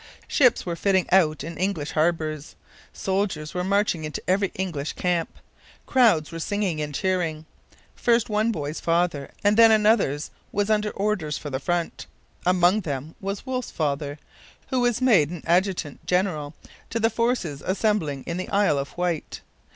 Ships were fitting out in English harbours. Soldiers were marching into every English camp. Crowds were singing and cheering. First one boy's father and then another's was under orders for the front. Among them was Wolfe's father, who was made adjutant general to the forces assembling in the Isle of Wight.